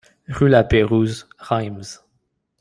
Rue la Pérouse, Reims